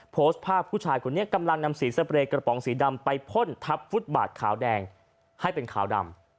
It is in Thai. โพสต์ภาพผู้ชายคนนี้กำลังนำสีสเปรย์กระป๋องสีดำไปพ่นทับฟุตบาทขาวแดงให้เป็นขาวดำ